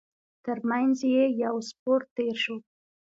تر مينځ يې يو سپور تېر شو.